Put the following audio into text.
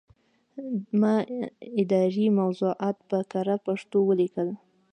ما اداري موضوعات په کره پښتو ولیکل.